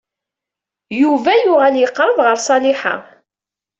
Yuba yuɣal yeqreb ɣer Ṣaliḥa.